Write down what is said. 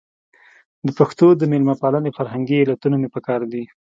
د پښتنو د مېلمه پالنې فرهنګي علتونه مې په کار دي.